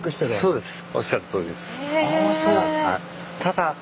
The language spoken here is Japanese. そうです。